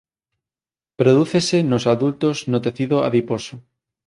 Prodúcese nos adultos no tecido adiposo.